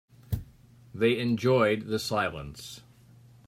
They enjoyed the silence.